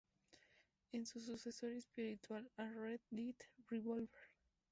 Es un sucesor espiritual a "Red Dead Revolver".